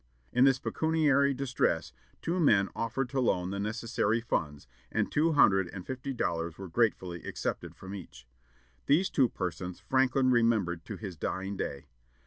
In this pecuniary distress, two men offered to loan the necessary funds, and two hundred and fifty dollars were gratefully accepted from each. These two persons Franklin remembered to his dying day.